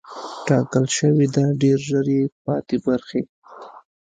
ټاکل شوې ده ډېر ژر یې پاتې برخې